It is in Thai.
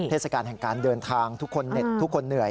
เทศกาลแห่งการเดินทางทุกคนเหนื่อย